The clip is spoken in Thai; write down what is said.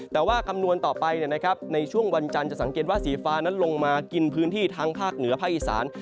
แต่ว่าคำนวณต่อไปในช่วงวันจันทร์จะสังเกตว่าสีฟ้านั้นลงมากินพื้นที่ทั้งภาคเหนือภาคอีสาน